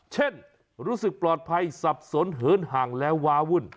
รู้สึกปลอดภัยสับสนเหินห่างและวาวุ่น